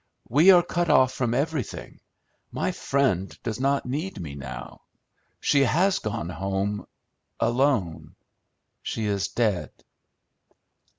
"We are cut off from everything. My friend does not need me now; she has gone home, alone. She is dead!"